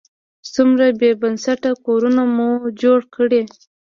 څومره بې بنسټه کورونه مو جوړ کړي.